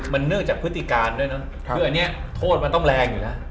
มันเนื่องจากพฤติการด้วยนะคืออันนี้โทษมันต้องแรงอยู่นะ